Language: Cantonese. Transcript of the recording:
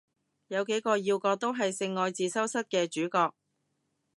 有幾個要角都係性愛自修室嘅主角